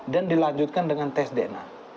dan dilanjutkan dengan tes dna